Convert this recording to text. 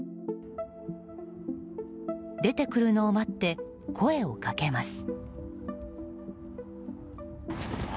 出てくるのを待って声をかけます。